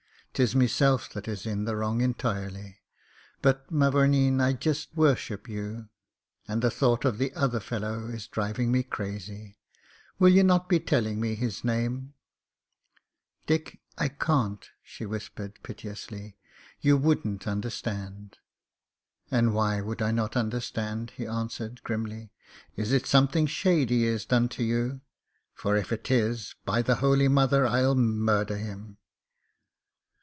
'Tis meself that is in the wrong entoirely — but, mavoumeen, I just wor ship you. And the thought of the other fellow is driving me crazy. Will ye not be telling me his name ?" "Dick, I can't," she whispered, piteously. "You wouldn't understand," "And why would I not understand?" he answered, grimly. "Is it something shady he has done to you? — for if it is, by the Holy Mother, I'll murder him."